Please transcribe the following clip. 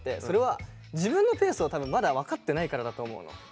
それは自分のペースを多分まだ分かってないからだと思うの。